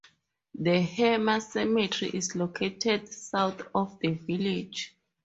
The Hamer Cemetery is located south of the village.